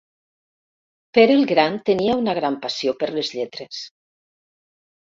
Pere el Gran tenia una gran passió per les lletres.